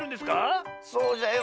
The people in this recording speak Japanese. そうじゃよ。